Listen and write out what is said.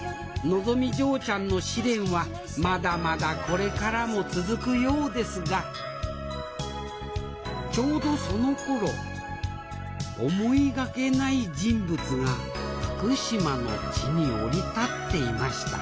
のぞみ嬢ちゃんの試練はまだまだこれからも続くようですがちょうどそのころ思いがけない人物が福島の地に降り立っていました